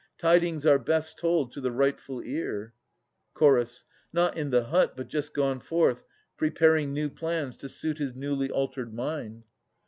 Tidings are best told to the rightful ear. Ch. Not in the hut, but just gone forth, preparing New plans to suit his newly altered mind.